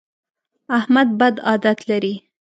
احمد بد عادت لري.